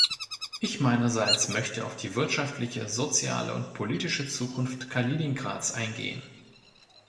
Ich meinerseits möchte auf die wirtschaftliche, soziale und politische Zukunft Kaliningrads eingehen.